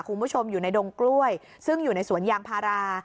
คุณผู้ชมอยู่ในดงกล้วยซึ่งอยู่ในสวนยางพารา